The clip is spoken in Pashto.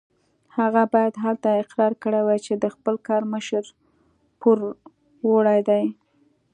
هغه باید هلته اقرار کړی وای چې د خپل کار مشر پوروړی دی.